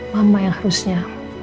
mama yang harusnya